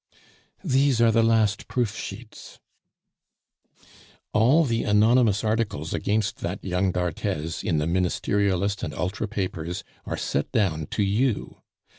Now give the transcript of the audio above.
"These are the last proof sheets." "All the anonymous articles against that young d'Arthez in the Ministerialist and Ultra papers are set down to you.